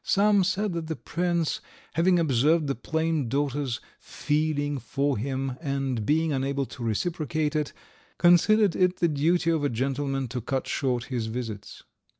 Some said that the prince, having observed the plain daughter's feeling for him and being unable to reciprocate it, considered it the duty of a gentleman to cut short his visits.